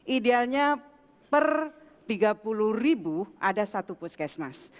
idealnya per tiga puluh ribu ada satu puskesmas